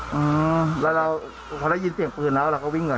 อืมแล้วเราพอได้ยินเสียงปืนแล้วเราก็วิ่งเลย